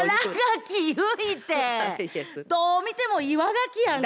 どう見ても岩ガキやんか。